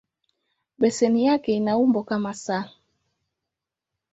Beseni yake ina umbo kama "S".